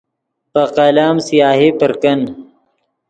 پے قلم سیاہی پر کن